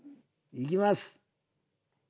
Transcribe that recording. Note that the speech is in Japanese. いきます。